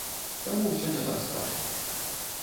Таму ўсё не так страшна.